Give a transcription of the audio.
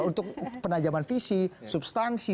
untuk penajaman visi substansi